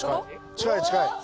近い近い！